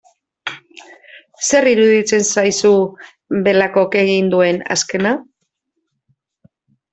Zer iruditzen zaizu Belakok egin duen azkena?